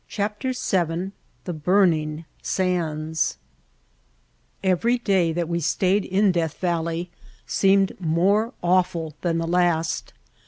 VII The Burning Sands EVERY day that we stayed in Death Val ley seemed more awful than the last.